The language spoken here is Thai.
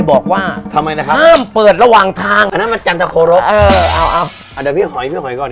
โอ่งน่ะโออบโอ